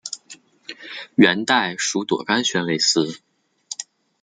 元代属朵甘宣慰司。